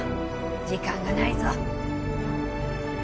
時間がないぞ。